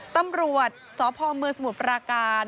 ตำรวจศพเมืองจมประการ